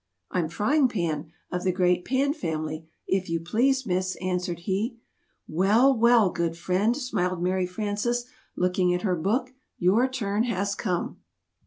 "I'm Frying Pan, of the great Pan family, if you please, Miss," answered he. "Well! Well! Good friend," smiled Mary Frances, looking at her book, "your turn has come!"